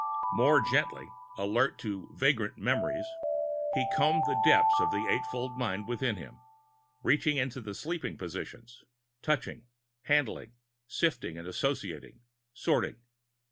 More gently, alert for vagrant "memories," he combed the depths of the eightfold mind within him, reaching into the sleeping portions, touching, handling, sifting and associating, sorting.